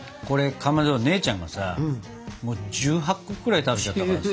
かまど姉ちゃんがさ１８個くらい食べちゃったからさ。